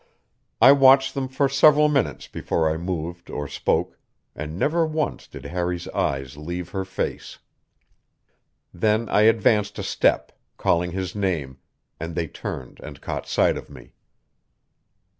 I watched them for several minutes before I moved or spoke; and never once did Harry's eyes leave her face. Then I advanced a step, calling his name; and they turned and caught sight of me.